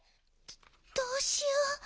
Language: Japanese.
どうしよう。